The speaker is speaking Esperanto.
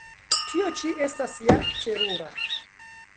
Tio ĉi estas ja terura!